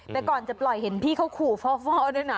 แต่ก่อนจะปล่อยเห็นพี่เขาขู่ฟ่อด้วยนะ